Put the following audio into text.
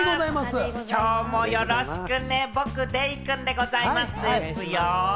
今日もよろしくね、僕、デイくんでございますですよ。